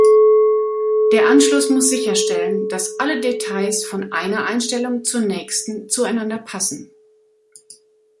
Der Anschluss muss sicherstellen, dass alle Details von einer Einstellung zur nächsten zueinander passen.